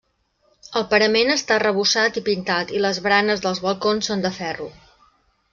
El parament està arrebossat i pintat i les baranes dels balcons són de ferro.